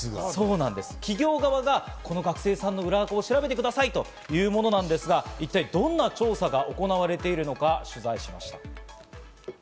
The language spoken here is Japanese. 企業側がこの学生さんの裏アカを調べてくださいというようなものなんですが、一体どんな調査が行われているのか、取材しました。